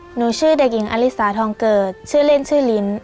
หนูชื่อเด็กหญิงอลิสาทองเกิดชื่อเล่นชื่อลิ้น